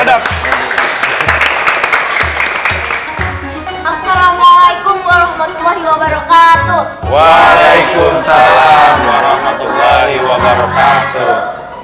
assalamualaikum warahmatullahi wabarakatuh waalaikumsalam warahmatullahi wabarakatuh